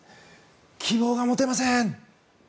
希望が持てません。